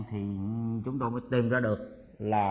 thì chúng tôi mới tìm ra được là